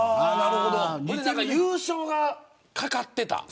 優勝が懸かってた。